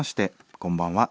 こんばんは」。